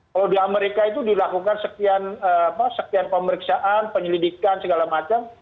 kalau di amerika itu dilakukan sekian pemeriksaan penyelidikan segala macam